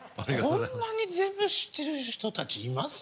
こんなに全部知ってる人たちいます？